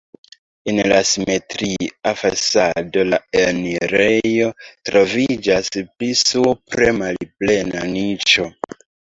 En la simetria fasado la enirejo troviĝas, pli supre malplena niĉo.